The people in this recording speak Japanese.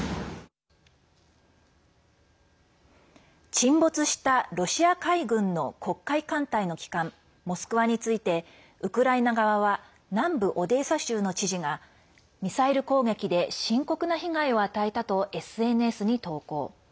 沈没したロシア海軍の黒海艦隊の旗艦「モスクワ」についてウクライナ側は南部オデーサ州の知事がミサイル攻撃で深刻な被害を与えたとＳＮＳに投稿。